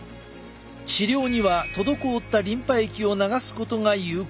治療には滞ったリンパ液を流すことが有効。